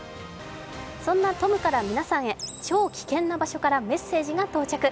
そんなトムから皆さんへ、超危険な場所からメッセージが到着。